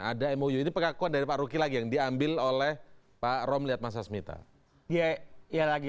ada mou ini pengakuan dari pak ruki lagi yang diambil oleh pak rom lihat masa semita dia ya lagi